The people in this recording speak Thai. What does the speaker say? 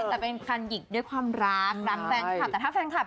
แต่เป็นธันหยิกด้วยความรับรักแฟนคลัพพ์